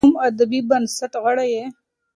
ایا ته د کوم ادبي بنسټ غړی یې؟